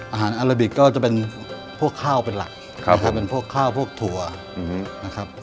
อาราบิกก็จะเป็นพวกข้าวเป็นหลักก็คือเป็นพวกข้าวพวกถั่วนะครับ